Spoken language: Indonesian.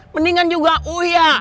mendingan juga uya